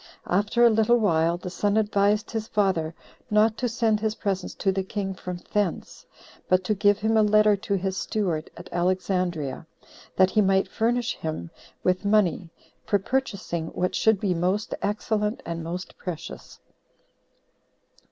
After a little while, the son advised his father not to send his presents to the king from thence, but to give him a letter to his steward at Alexandria, that he might furnish him with money, for purchasing what should be most excellent and most precious.